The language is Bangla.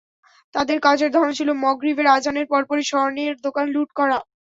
তাঁদের কাজের ধরন ছিল মাগরিবের আজানের পরপরই স্বর্ণের দোকান লুট করা।